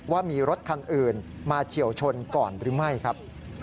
ว่ามีรถคันอื่นมาเฉียวชนก่อนหรือไม่ครับ